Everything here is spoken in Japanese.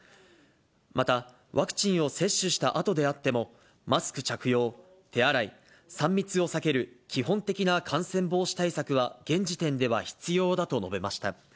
また、ワクチンを接種したあとであっても、マスク着用、手洗い、３密を避ける、基本的な感染防止対策は現時点では必要だと述べました。